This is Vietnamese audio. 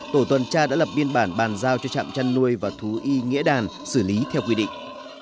tổ tuần tra đã lập biên bản bàn giao cho trạm chăn nuôi và thú y nghĩa đàn xử lý theo quy định